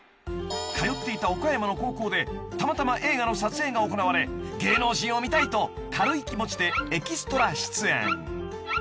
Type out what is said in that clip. ［通っていた岡山の高校でたまたま映画の撮影が行われ芸能人を見たいと軽い気持ちでエキストラ出演］